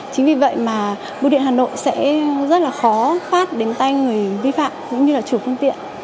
chính vì vậy mà bưu điện hà nội sẽ rất là khó phát đến tay người vi phạm cũng như là chủ phương tiện